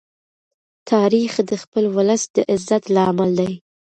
تاریخ د خپل ولس د عزت لامل دی.